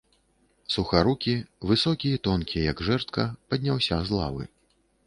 Сухарукі, высокі і тонкі, як жэрдка, падняўся з лавы.